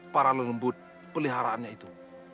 para lenebut peliharaannya itu